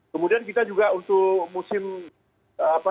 kemudian kita juga untuk musim apa